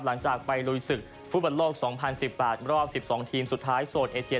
หลังจากไปลุยศึกฟุตบอลโลก๒๐๑๘รอบ๑๒ทีมสุดท้ายโซนเอเชีย